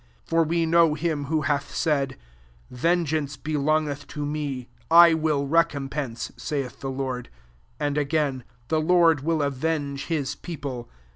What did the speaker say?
30 For we know him who hath said, '* Vengeance ^/oniSr etk to me : I will recompense ;" \jMith the Lord,'] And again, The Lord will avenge his people."